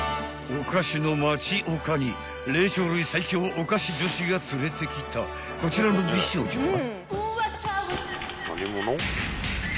［おかしのまちおかに霊長類最強おかし女子が連れてきたこちらの美少女は？］